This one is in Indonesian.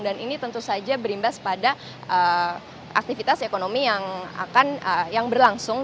dan ini tentu saja berimbas pada aktivitas ekonomi yang berlangsung